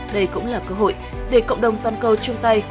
đây cũng là cơ hội để cộng đồng toàn cầu chung tay